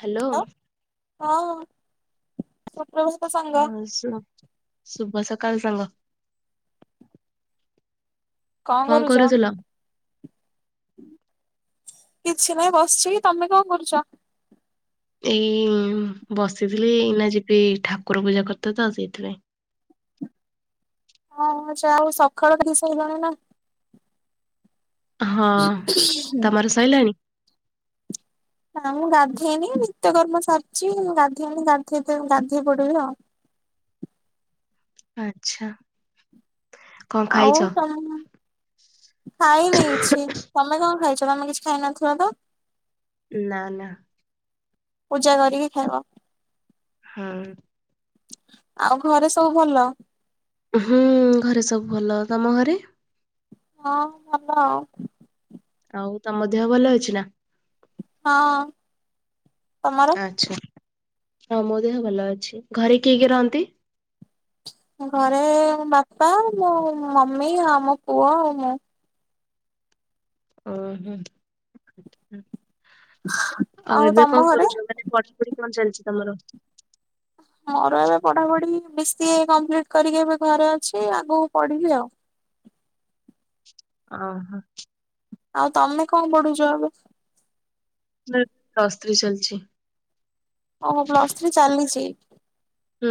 Hello. ହଁ। ସୁପ୍ରଭାତ ସାଙ୍ଗ ହଁ, ଶୁଭ ସକାଳ ସାଙ୍ଗ। କଣ କଁ କରୁଛ? କରୁଥିଲ? କିଛି ନାଇଁ, ବସିଛି ତମେ କଣ କରୁଚ? ଏଇ ବସିଥିଲି ଏଇନା ଯିବି ଠାକୁର ପୂଜା କରତେ ତ ସେଇଥିପାଇଁ। ହଁ ଯାଉ ସକାଳ [unintelligible] ଜଣେ ନା। ହଁ, ତମର ସଇଲାଣି? ହଁ ମୁଁ ଗାଧେଇନି ନିତ୍ୟକର୍ମ ସାରିଛି ମୁ ଗାଧେଇନି ଗାଧେ ଗାଧେଇ ପଡିବି ଆଉ। ଆଛା। ଆଉ ତମ୍ ଖାଇ ନେଇଛି, ତମେ କଣ ଖାଇଛ ତମେ କିଛି ଖାଇନଥିବ ତ? ନା ନା। ପୂଜା କରିକି ଖାଇବ। ହୁଁ। ଆଉ ଘରେ ସବୁ ଭଲ? ହୁଁ ଘରେ ସବୁ ଭଲ, ତମ ଘରେ? ହଁ ଭଲ ଆଉ। ଆଉ ତମ ଦେହ ଭଲ ଅଛି ନା? ହଁ। ତମର? ଆଚ୍ଛା, ହଁ ମୋ ଦେହ ଭଲ ଅଛି, ଘରେ କିଏ କିଏ ରହନ୍ତି? ଘରେ ବାପା ମୋ ମମି ଆଉ ଆମ ପୁଅ ଆଉ ମୁଁ। ଅ ହଁ, ଆଉ ଏବେ ତମ କଣ ଘରେ? କରୁଛ ମାନେ କଣ ଚାଲିଛି ତମର? ମୋର ଏବେ ପଢ଼ାପଢି଼ ବିସିଏ କମ୍ପ୍ଲିଟ କରିକି ଏବେ ଘରେ ଅଛି, ଆଗକୁ ପଢି଼ବି ଆଉ। ଅ ହଁ। ଆଉ ତମେ କଣ୍ଟ ପଢ଼ୁଛ ଏବେ? ପ୍ଲସଥ୍ରୀ ଚାଲଚି। ଓହୋ, ପ୍ଲସଥ୍ରୀ ଚାଲିଚି। ହୁଁ।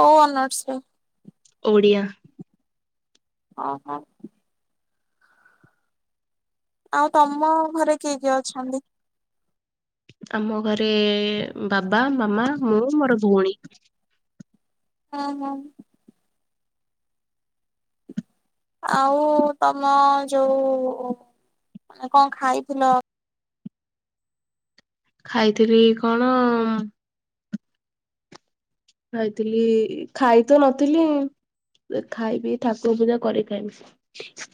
କୋଉ ଅନର୍ସ? ଓଡ଼ିଆ। ଅ ହଁ। ଆଉ ତମ ଘରେ କିଏ କିଏ ଅଛନ୍ତି? ଆମ ଘରେ ବାବା, ମାମା ମୁଁ ମୋର ଭଉଣୀ। ହଁ ହଁ। ଆଉ ତମ ଯୋଉ ଏ କଁ ଖାଇଥିଲ? ଖାଇଥିଲି କଣ ଖାଇଥିଲି ଖାଇ ତ ନଥିଲି। ଖାଇବି ଠାକୁର ପୂଜା କରି ଖାଇବି।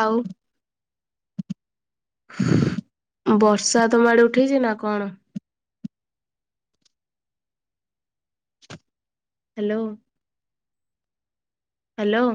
ଆଉ। ବର୍ଷା ତମ ଆଡ଼େ ଉଠେଇଛି ନା କଣ? Hello hello